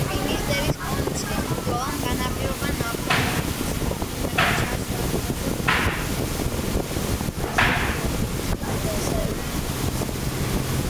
ფინისტერის კონცხის ბრძოლამ განაპირობა ნაპოლეონის გეგმების ჩაშლა, რომელსაც დაგეგმილი ჰქონდა ინგლისზე ფლოტით ჯარის დესანტირება.